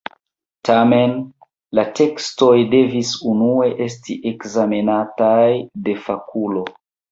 Tamen la tekstoj devis unue esti ekzamenataj de fakulo.